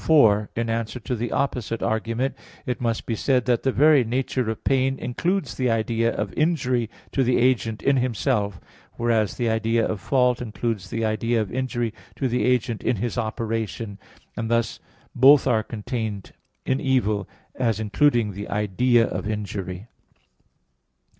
4: In answer to the opposite argument, it must be said that the very nature of pain includes the idea of injury to the agent in himself, whereas the idea of fault includes the idea of injury to the agent in his operation; and thus both are contained in evil, as including the idea of injury.